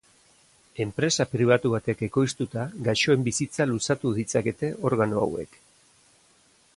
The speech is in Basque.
Enpresa pribatu batek ekoiztuta, gaixoen bizitza luzatu ditzakete organo hauek.